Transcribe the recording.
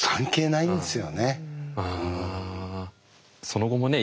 その後もね